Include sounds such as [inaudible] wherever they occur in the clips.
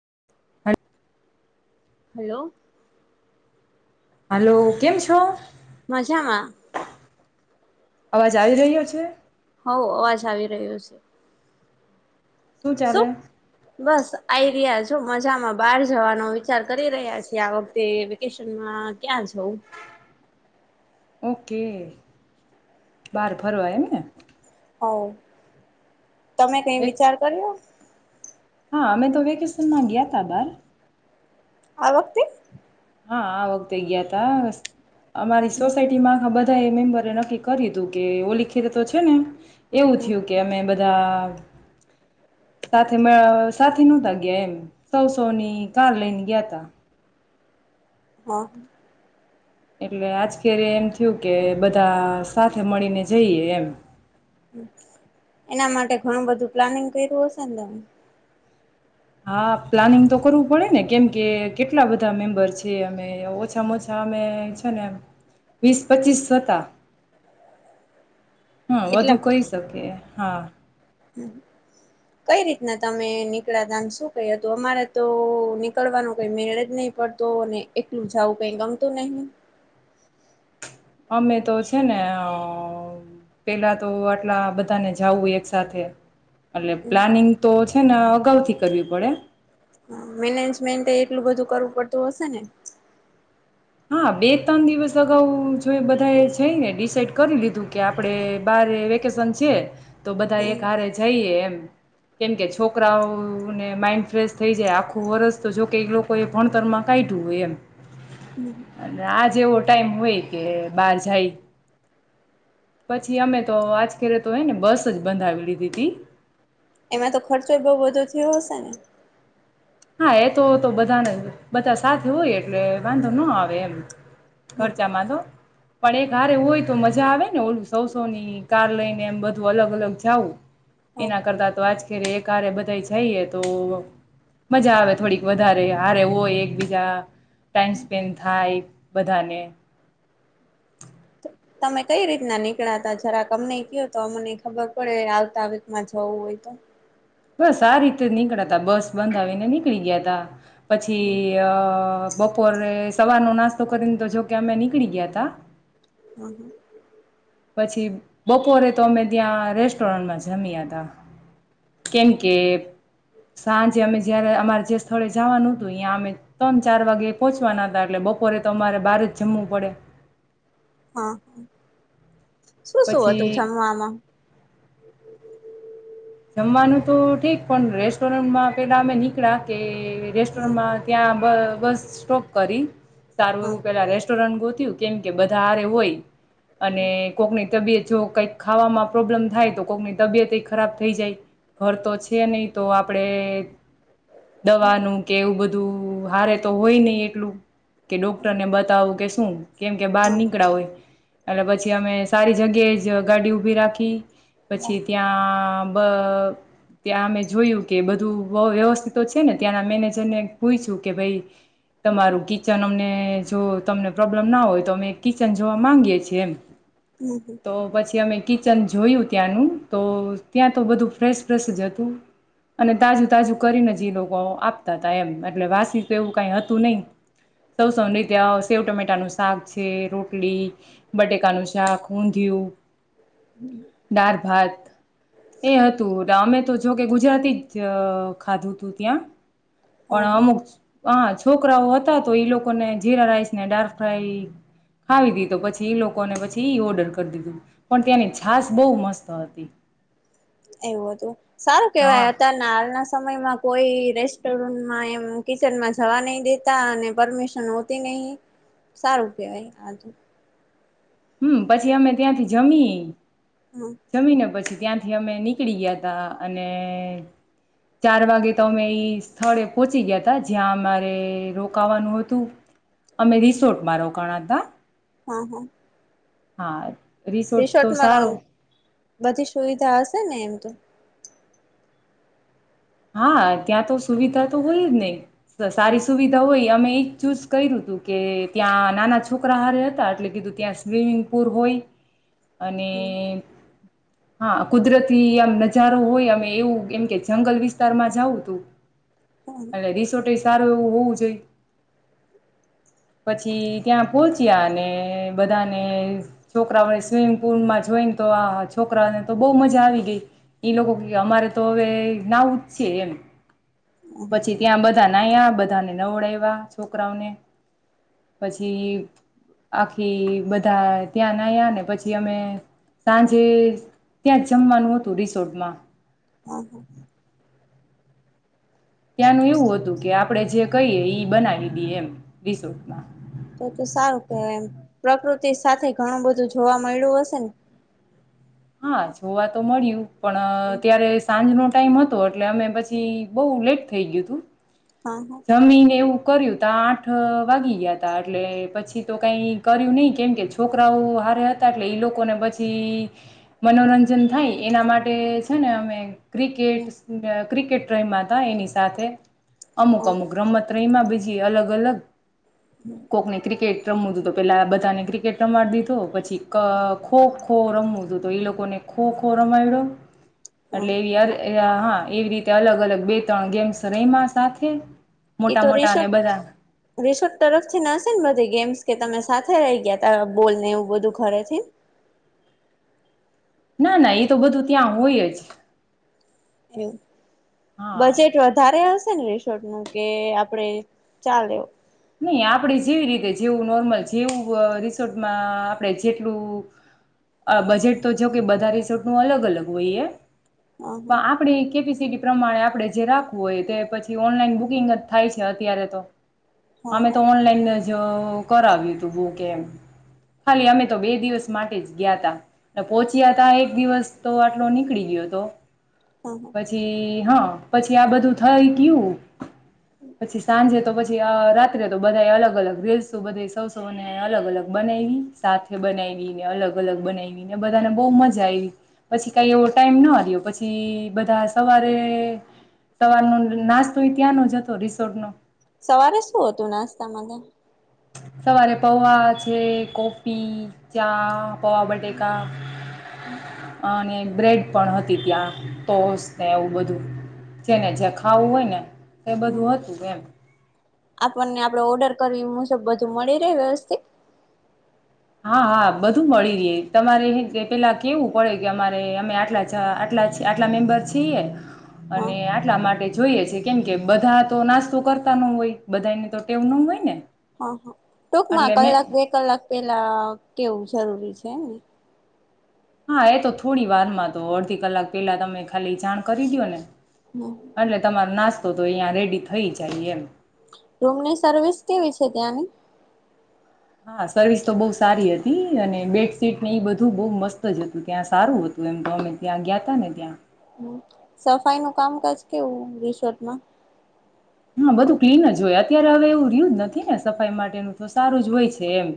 [unintelligible] Hello. Hello કેમ છો. મજામાં. અવાજ આવી રહ્યો છે. હ અવાજ આવી રહ્યો છે. શું બસ આઈ. [unintelligible] મજામાં બાર જવાનો વિચાર કરી રહ્યા છે, આ વખતે વેકેશનમાં ક્યાં જવ ઓકે બાર ફરવા એમને. [unintelligible] તમે કઈ ને વિચાર કર્યો. હા અમે તો વેકેશન માં ગયા તા બાર. [unintelligible] વખતે. હા [inaudible] અમારી સોસાયટી માં ખબર. બધા એ મેમ્બરે નક્કી કરી હતું કે [unintelligible] તો છે, ને એવું થયું કે અમે બધા. [unintelligible] સાથે નહતા ગયા એમ સોસો ની કાર લઈને ગયા તા. [unintelligible] [unintelligible] એમ થયું કે બધા સાથે મળીને જઈએ એમ. એના માટે ઘણું બધું પ્લાનિંગ કર્યું હશે ને તમે. હા પ્લાનિંગ તો કરવું પડે ને કેમ કે કેટલા બધા મેમ્બર છે, અમે ઓછામાં ઓછા અમે છે, ને વીસ પચીસ હતા. હા એટલે વધુ કહી શકે હા. કઈ રીતના તમે નીકળાતામ શું ક હતું અમારે તો નીકળવાનો કઈ મેળ જ નહી પડતો અને [unintelligible] જવું કઈ ગમતું નહીિ. અમે તો છે, ને પેલા તો આટલા બધાને જાવું એક [unintelligible] એટલે પ્લાનિંગ તો [unintelligible] ના અગાઉથી કરવી પડે. મેનેજમેન્ટ એટલું બધું કરવું પડતું હશે ને? હા બે ત્રણ દિવસ અગાઉ જો બધા એ જઈને ડિસાઈડ કરી લીધું કે આપડે બારે વેકેશન છે તો બધા એક હારે જઈએ એમ. કેમ કે છોકરાઓને માઈન્ડ ફ્રેશ થઈ જાય આખું વરસ તો જોકે એ લોકો એ ભણતર માં કાયઢું હોય એમ. હમ અને આજ એવો ટાઈમ હોય કે બાર જાય પછી અમે તો આજ કરીરે તો હોય ને બસ જ બંધાવ લીધી હતી.. એમાં તો ખર્ચો બહુ બધો થયો હશે ને? હા એ તો તો બધાને બધા સાથે હોય એટલે વાંધો ન આવે એમ. [inaudible] પણ એક હારે હોય તો મજા આવે ને ઓલું સૌ સૌ ની કાર લઈને એમ બધું અલગ અલગ જઉું હ એના કરતા તો આજરે એક હારે બધા જઈએ તો મજા આવે થોડીક વધારે હારે હોય એકબીજા ટાઈમ સ્પેન્ડ થાય બધાને તમે કઈ રીતના નીકળાતા જરાક અમનેય કયો તો અમને ખબર પડે આવતા વીકમાં જવું હોય તો. બસ આ રીતે નીકળ્યા તા બસ બંધાવીને નીકળી ગયા તા. પછી અ બપોરે સવાર નો નાસ્તો કરીને તો જો કે અમે નીકળી ગયા તા. [unintelligible] પછી બપોરે તો અમે ત્યાં રેસ્ટોરન્ટમાં જમયા હતા કેમ કે સાંજે અમે જયારે અમારે જે સ્થળે જવાનું હતું ત્યાં અમે ત્રણ ચાર વાગે પહોંચવાના હતા એટલે બપોરે તો અમારે બહાર જ જમવું પડે. હા. શું શું હતું પછી જમવામાં? જમવાનું તો ઠીક પણ રેસ્ટોરન્ટમાં પેલા અમે નીકળ્યા કે હા રેસ્ટોરન્ટમાં ત્યા બ બસ સ્ટોપ કરી. સારું એવું પેલા રેસ [inaudible] કેમ કે બધા હારે હોય અને કોકની તબિયત જો કઈક ખાવામાં પ્રોબ્લેમ થાય તો કોકની તબિયત ખરાબ થઈ જાય ઘર તો છે નહી તો આપડે દવાનું કે એવું બધું હારે તો હોય નહી એટલું કે ડોક્ટરને બતાવું કે શું? કેમ કે બહાર નિકળા હોય. અને પછી અમે સારી જગ્યાએ જ ગાડી ઉભી રાખી પછી ત્યાં ત્યાં અમે જોયું કે બધું અ વ્યસ્થ છે ને ત્યાંના મેનેજર ને પૂછ્યું કે ભાઈ તમારું કિચન અમને જો તમને પ્રોબ્લેમ ના હોય તો અમે કિચન જોવા માંગીએ છીએ એમ. તો પછી અમે કિચન જોયું ત્યાંનું તો ત્યાં તો બધું ફ્રેશ ફ્રેશ જ હતું અને તાજું તાજું કરીને જ એ લોકો આપતા હતા એમ એટલે વાસી તો એવું કઈ હતું નહી સૌ સૌ નહી ત્યાં સેવ ટમેટાનું શાક છે રોટલી બટેકાનું શાક ઊંધિયું દાળ ભાત એ હતું અમે તો જો કે ગુજરાતી જ ખાધું તું ત્યાં. પણ અમુખ હ છોકરાઓ હતા તો ઈ લોકોને જીરા રાઈસ ને ડાર્ક ફ્રાય ખાવી દી તો પછી ઈ લોકોને પછી ઈ ઓર્ડર કરી દીધું પણ ત્યાંની છશ બહુ મસ્ત હતી. એવું હતું. સારું હા કેવાય અતારના સમયમાં કોઈ રેસ્ટોરન્ટમાં એમ કિચનમાં જવા નહી દેતા અને પરમિશન હોતી નહિ સારું કેહેવાય આજ. હમ પછી અમે ત્યાંથી જમીએ જમીને પછી ત્યાંથી અમે નીકળી ગયા ત અને ચાર વાગે તો અમે ઈ સ્થળે પહોંચી ગયા હતા જ્યાં અમારે રોકાવાનું હતું અમે રિસોર્ટમાં રોકાણ તા હા હા હા રિસોર્ટ તો રિસોર્ટમાં સારો બધી સુવિધા હશે ને એમ તો હા ત્યાં તો સુવિધા તો હોય જ નહી તો સારી હમ સુવિધા હોય અમે એજ ચૂઝ કર્યું હતું કે ત્યાં નાના છોકરા હારે હતા એટલે કીધું ત્યાં સ્વિમિંગ પુલ હોય અને તો હા કુદરતી આમ નજારો હોય અ એવું એમ કે જંગલ વિત વિસ્તારમાં જાઉું તું અ રીસોટ સારું એવું હોવું જોઈ પછી ત્યાં પહોચ્યા અને બધાને છોકરાઓને સ્વિમિંગ પુલમાં જોઈને તો આ છોકરાને તો બહ મજા આવી ગઈ એ લોકો અમારે તો હવે ના સ એમ પછી ત્યાં બધા બધા ના્યા બધાને નવડ્યા છોકરાઓને પછી આખી બધા ત્યાં ના્યા ને પછી અમે સાંજે ત્યાં જ જમવાનું હતું રિસોર્ટમાં હા હા ત્યાંનું એવું હતું કે આપડણે જે કહીએ બનાવી દઈએ એમ રિસોર્ટમાં તો તો સારું કેવાય એમ પ્રકૃતિ તે સાથે ઘણું બધું જોવા મળ્યું હશે ને હા જોવા તો મળ્યું ને પણ ત્યારે સાંજનો ટાઈમ હતો એટલે અમે પછી બહુ લેટ થઈ ગયું તું હા જમીન એવું કર્યું ત આઠ વાગી ગયા ત એટલે પછી તો કઈ કર્યું નઈિ કેમ કે છોકરાઓ હારે હતા એટલે એઈ લોકોને પછી મનોરંજન થાય એના માટે છે ને અમે ક્રિકેટ હા ક્રિકેટ ટ્રેમમાં હતા એની સાથે અમુક હા અમુક રમત ત્ર્રીમાં બીજી અલગ અલગ કોકની ક્રિકેટ રમવું તું તો પેલા બધાને ક્રિકેટ રમાડ દીધું પછી ખો ખો રમવું તું તો એ લોકોને ખો ખો રમાય્યો હા એટલે એવી યાર એ હા એવી રીતે અલગ અલગ બે ત્રણ ગેમ્સ રહીમાં સાત કેે તો રિસોર્ટ રિસોર્ટ તરફથી નાશે ને બધી ગેમ્સ કે તમે સાથે રહી ગયા ત બોલને એવું બધું ખરે છે ના ના એ તો બધું ત્યાં હોય જ એમ હા બજેટ વધારે હશે ને ર છોટ નું કે આપડે ચાલે નહી આપડે જેવી રીતે જેવું નોર્મલ જેવું રિસોર્ટમાં આપણે જેટલું બજેટ તો જો કે બધા રિસોર્ટ નું અલગ અલગ હોઈએ હા હા પણ આપડે કે પી પ્રમાણે આપણે જે રાખવું હોય તે પછી ઓનલાઈન બુકિંગ જ થાય છે અત્યારે તો હા અમે તો હા ઓનલાઈન કરાવ્યું તું બુકે એમ ખાલી અમે તો બે દિવસ માટે જ ગયા તા અને પોહચ્યા તા એક દિવસ તો આટલો નીકળી ગયો હતો હા હા પછી હા પછી આ બધું થઈ કયું પછી સાંજે તો પછી રા તો બધા અલગ અલગ રીલસ બધા સસોને અલગ અલગ બનાવીવી સાથે બનાવીને અલગ અલગ બનાવી ને બધાને બહ મજા આવી પછી કઈ એવો ટાઈમ ના આવ્યો પછી બધા સવારે સવારનો નાસ્તો ત્યાંનો જ હતો રિસોર્ટ ન સવારે શું હતું નાસ્તામાં સવારે પૌવા છે કોફી ચા પોવા બટકા ત્યાં અને બ્રેડ પણ હતી ત્યાં ટસ ને એવું બધું જેને જે ખાવું હોય ને એ બધું હતું કેમ આપણને આપડે ઓર્ડર કરવી મુજબ બધું મળી રહે વ્યવસ્થિત હા હા બધું મળી ર તમારે પેલા કેવું પડે કે અમારે અમે આટલા આટલા આટલા મેમ્બર છીએ હા અને આટલા માટે જોઈએ છે કેમ કે બધા તો નાસ્તો કરતા ન હોય બધાની તો ટેવ ન હોય ને હા હા ટૂંકમાં એટલે મેં કલાક બે કલાક પેલા કેવું જરૂરી છેને હા એ તો થોડી વારમાં તો અડધી કલાક પેલા તમે ખાલી જાણ કરી દો ને હમ એટલે તમારો નાસ્તો તો તો અહીંયા રેડી થઈ જાય એમ રૂમની સર્વિસ કેવી છે ત્યાંની હા સર્વિસ તો બહુ સારી હતી અને બેડશીટ ને એ બધું બહ મસ્ત જ હતું ત્યાં સારું હતું એમ તો અમે ત્યાં ગયા ત ને ત્યાં હ સફાઈ નું કામકાજ કેવું રિસોર્ટમાં હા બધું ક્લીન જ હોય અત્યારે હવે એવું રહય્યું જ નથી ને સફાઈ માટેનું તો સારું જ હોય છે એમ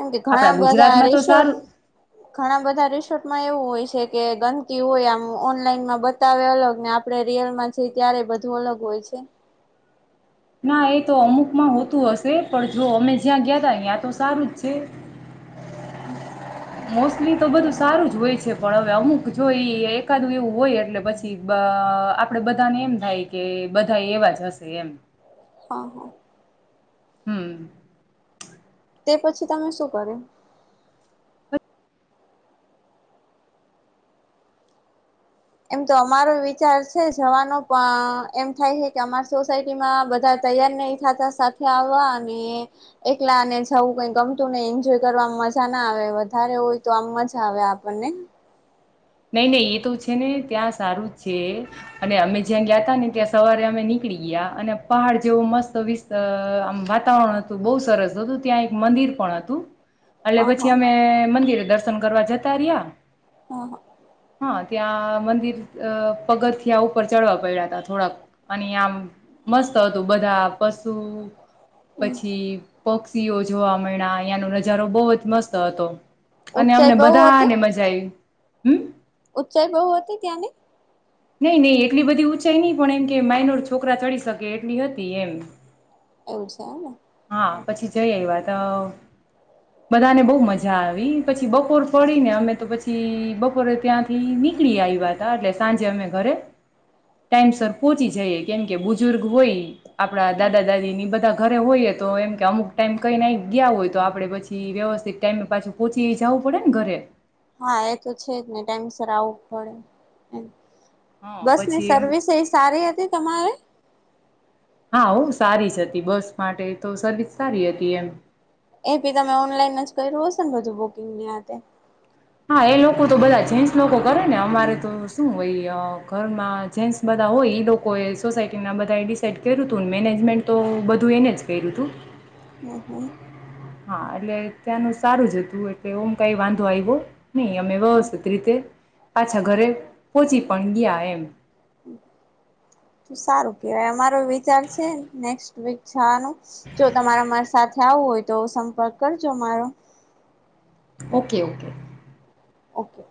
એમ કે આપડા ઘણા બધા ગુજરાતમાં તો રિસોર્ટ સારું ઘણા બધા રિસોર્ટમાં એવું હોય કે ગંદકી હોય આમ ઓનલાઈનમાં બતાવે અલગ ને આપડણે રિયલમાં જઈ ત્યારે બધું અલગ હોય છે ના એ તો અમુકમાં હોતું હશે પણ જો અમે જ્યાં ગયા હતા ત્યાં તો સારું જ છે હમ મોસ્ટલી તો બધું સારું જ હોય છે. પણ હવે અમુક જોઈ એકાદું એવું હોય એટલે પછી અ આપડે બધાને એમ થાય કે બધા એવા જ હશે એમ. હા હા. હમ્મ. તે પછી તમે શું કરો? એમ તો અમારો વિચાર છે જવાનો પણ અ એમ થાય છે કે અમારા સોસાયટીમાં બધા તૈયાર નહિ થતા સાથે આવવા અને એકલાને જવું કઈ ગમતું ને એન્જોય કરવા મજા ના આવે વધારે હોય તો આમ મજા આવે આપણને. નહીં નહી એ તો છે ને ત્યાં સારું જ છે અને અમે જ્યાં ગયા ત ને ત્યાં સવારે અમે નીકળી ગયા અને પહાડ જેવો મસ્ત વિ આમ વાતાવરણ હતું બહુ સરસ હતું ત્યાં એક મંદિર પણ હતું. એટલે હ હ હ પછી અમે મંદિર દર્શન કરવા જતા રહ્યા હા હા. હા ત્યાં મંદિર અ પગથીઆ ઉપર ચડવા પડ્યા હતા થોડાક અને આમ મસ્ત હતું બધા પશુ પછી પોક્સ સિઓ જોવા મયલા અહીંનો નજારો બહુ જ મસ્ત હતો. અને અમને ઊંચાઈ બહુ હતી બધાને મજા આવી. હમ્મ. ચ ગવ હતી ત્યાંની. નહી નહી એટલી બધી ઊંચાઈ નઈ પણ એમ કે માઇનોર છોકરા ચડી શકે એટલી હતી એમ. એવું છે ને. હા પછી જઈ આયવા તો બધાને બહુ મજ મજા આવી. પછી બપોર પડી ને અમે તો પછી બપોરે ત્યાંથી નીકળી આવ્યા તા એટલે સાંજે અમે ઘરે ટાઈમસ પહોચી જઈએ કેમ કે બુજુર્ગ હોય આપણા દાદા દાદી ની બધા ઘરે હોય જ તો એમ કે અમુક ટાઈમ કઈ ના ગયા હોય તો આપડે પછી વ્યવસ્થિત ટાઈમે પાછું પોહોંચી જવું પડે ને ઘરે. હા એ તો છે જ ને ટાઈમસર આવું પડે એમ. હા બસ ની પછી એમ સર્વિસ એ સારી હતી તમારે? હા હો સારી જ હતી. બસ માટે તો સર્વિસ સારી હતી એમ. એ ભી તમે ઓનલાઈન જ કર્યું હશે ને બધું બુકિંગની હાથે. હા એ લોકો તો બધા જેન્ટસ લોકો કરે ને અમારે તો શું હોય ઘરમાં જેન્ટસ બધા હોય એ લોકો એ સોસાયટી ના બધા એ ડિસાઈડ કર્યું તું ને મેનેજમેન્ટ તો બધું એને જ કર્યું તું. હમ્મ હમ્મ. હા એટલે ત્યાંનું સારું જ હતું એટલે ઓમ કઈ વાંધો આવ્યો નહી. અમે વ્યવસ્થિત રીતે પાછા ઘરે પહોચી પણ ગયા એમ. તો સારું કેવાય અમારો વિચાર છે નેક્ વીકવાનું જો તમારે મારે સાથે આવું હોય તો સંપર્ક કરજો મારો. Okay okay. ઓકે.